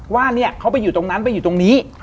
ว่าเนี่ยเขาไปอยู่ตรงนั้นไปอยู่ตรงนี้